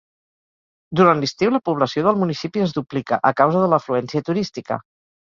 Durant l'estiu la població del municipi es duplica, a causa de l'afluència turística.